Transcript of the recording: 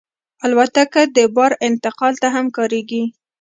الوتکه د بار انتقال ته هم کارېږي.